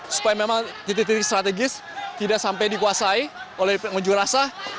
supaya memang titik titik strategis tidak sampai dikuasai oleh pengunjuk rasa